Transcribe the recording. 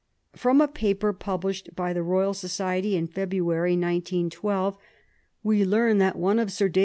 From a paper published by the Royal Society in February, 1912, we learn that one of Sir D.